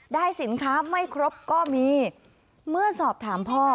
ได้สินค้าไม่ครบก็มีเมื่อสอบถามพ่อ